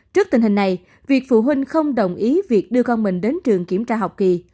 trước tình hình này việc phụ huynh không đồng ý việc đưa con mình đến trường kiểm tra học kỳ